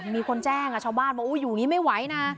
มีคนแจ้งชาวบ้านว่าอยู่อย่างนี้ไม่ไหวนะ